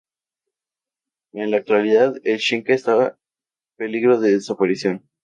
En la actualidad el xinca está peligro de desaparición.